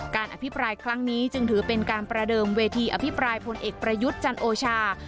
อภิปรายครั้งนี้จึงถือเป็นการประเดิมเวทีอภิปรายพลเอกประยุทธ์จันโอชา